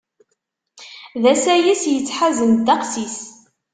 D asayes yettḥazen ddeqs-is.